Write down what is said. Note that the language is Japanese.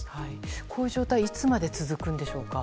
この状態、いつまで続くんでしょうか。